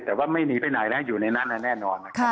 แต่ว่าไม่มีไปไหนนะอยู่ในนั้นแน่นอน